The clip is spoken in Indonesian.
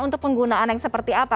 untuk penggunaan yang seperti apa